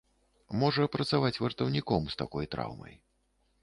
Можа працаваць вартаўніком з такой траўмай.